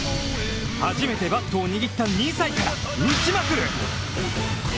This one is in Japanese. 初めてバットを握った２歳から打ちまくり！